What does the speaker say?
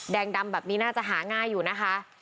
ดำแบบนี้น่าจะหาง่ายอยู่นะคะ